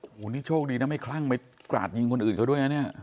โอ้โหนี่โชคดีนะไม่คลั่งไปกราดยิงคนอื่นเขาด้วยนะเนี่ย